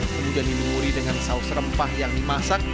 kemudian dilumuri dengan saus rempah yang dimasak